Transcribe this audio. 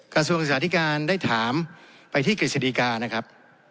กระทรวงศึกษาธิการได้ถามไปที่กฤษฎีกานะครับ